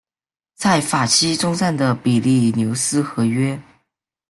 在法西终战的比利牛斯和约。